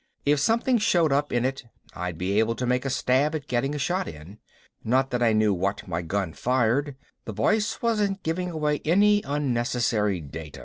If something showed up in it I'd be able to make a stab at getting a shot in. Not that I knew what my gun fired the voice wasn't giving away any unnecessary data.